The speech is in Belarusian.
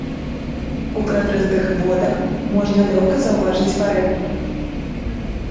У празрыстых водах можна лёгка заўважыць фарэль.